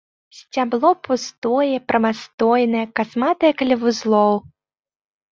Сцябло пустое, прамастойнае, касматае каля вузлоў.